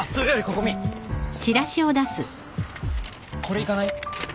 これ行かない？